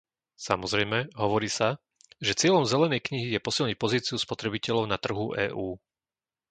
Samozrejme, hovorí sa, že cieľom zelenej knihy je posilniť pozíciu spotrebiteľov na trhu EÚ.